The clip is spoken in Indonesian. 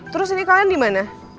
terus ini kalian dimana